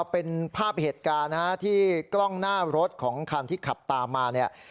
เป็นภาพเหตุการณ์นะฮะที่กล้องหน้ารถของคันที่ขับตามมาเนี่ย